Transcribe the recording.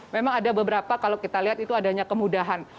memang ada beberapa kalau kita lihat itu adanya kemudahan